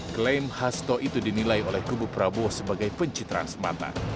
klaim hasto itu dinilai oleh kubu prabowo sebagai pencitraan semata